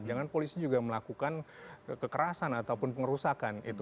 jangan polisi juga melakukan kekerasan ataupun pengerusakan